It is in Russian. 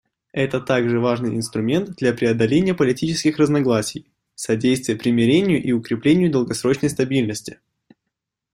Это также важный инструмент для преодоления политических разногласий, содействия примирению и укрепления долгосрочной стабильности.